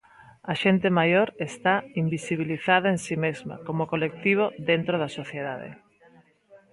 A xente maior está invisibilizada en si mesma como colectivo dentro da sociedade.